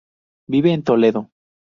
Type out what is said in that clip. Vive en Toledo.